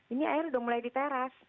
ini air sudah mulai diteras